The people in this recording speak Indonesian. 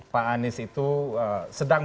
pak anies itu sedang